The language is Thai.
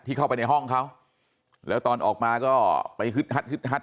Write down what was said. เข้าไปในห้องเขาแล้วตอนออกมาก็ไปฮึดฮัดฮึดฮัด